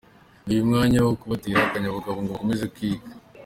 Ni umwanya wo kubatera akanyabugabo ngo bakomeze kwiga.